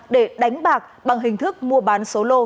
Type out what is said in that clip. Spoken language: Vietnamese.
để đánh bạc bằng hình thức mua bán số lô